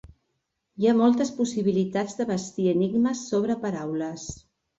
Hi ha moltes possibilitats de bastir enigmes sobre paraules.